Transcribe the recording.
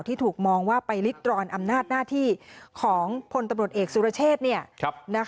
ที่ถูกมองว่าไปริกตรอนอำนาจหน้าที่ของผลตะบดเอกสุรเชษฐ์